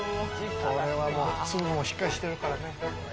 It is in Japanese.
これはもう粒もしっかりしてるからね。